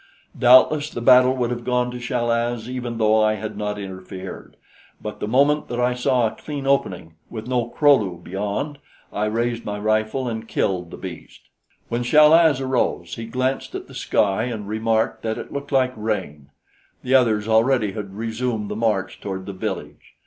Doubtless the battle would have gone to Chal az even though I had not interfered; but the moment that I saw a clean opening, with no Kro lu beyond, I raised my rifle and killed the beast. When Chal az arose, he glanced at the sky and remarked that it looked like rain. The others already had resumed the march toward the village.